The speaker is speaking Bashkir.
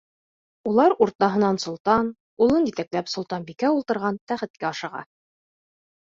Улар уртаһынан солтан, улын етәкләп, солтанбикә ултыраған тәхеткә ашыға.